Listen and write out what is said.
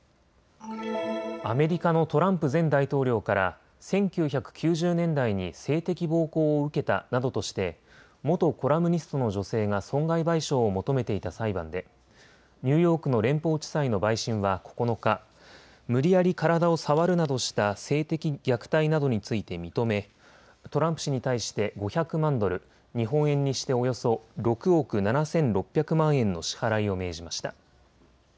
アメリカのトランプ前大統領から１９９０年代に性的暴行を受けたなどとして元コラムニストの女性が損害賠償を求めていた裁判でニューヨークの連邦地裁の陪審は９日、無理やり体を触るなどした性的虐待などについて認めトランプ氏に対して５００万ドル、日本円にしておよそ６億７６００万円の支払いを命じました。